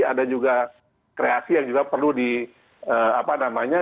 ada juga kreasi yang juga perlu di apa namanya